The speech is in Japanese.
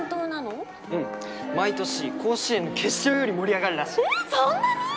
うん毎年甲子園の決勝より盛り上がるらしいえっ